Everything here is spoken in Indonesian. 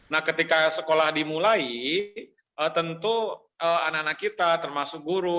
nah ketika sekolah dimulai tentu anak anak kita termasuk guru